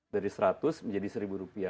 dari rp seratus menjadi rp satu